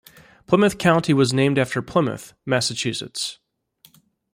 Plymouth County was named after Plymouth, Massachusetts.